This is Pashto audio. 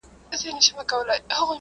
تخیل د روښانه سبا بنسټ دی.